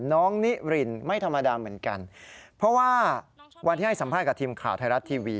นิรินไม่ธรรมดาเหมือนกันเพราะว่าวันที่ให้สัมภาษณ์กับทีมข่าวไทยรัฐทีวี